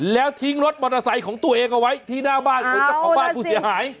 แล้วทิ้งรถมอเตอร์ไซค์ของตัวเองเอาไว้ที่หน้าบ้านของเจ้าของบ้านผู้เสียหาย